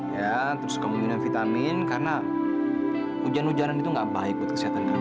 ya terus kamu minum vitamin karena hujan hujanan itu gak baik buat kesehatan kamu